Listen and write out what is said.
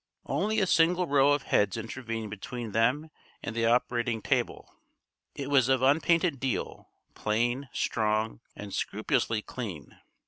Only a single row of heads intervened between them and the operating table. It was of unpainted deal, plain, strong, and scrupulously clean.